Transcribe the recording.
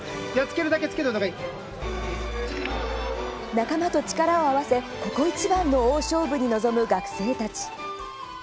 仲間と力を合わせここいちばんの大勝負に臨む学生たち。